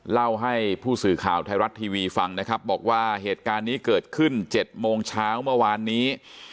เล่าให้ผู้สื่อข่าวไทยรัฐทีวีฟังนะครับบอกว่าเหตุการณ์นี้เกิดขึ้น๗โมงเช้าเมื่อวานนี้